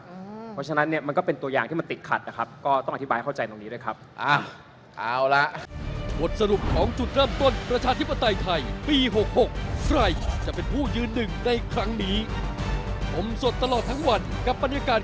เพราะฉะนั้นเนี่ยมันก็เป็นตัวอย่างที่มันติดขัดนะครับ